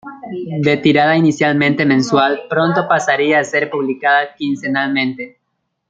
De tirada inicialmente mensual, pronto pasaría a ser publicada quincenalmente.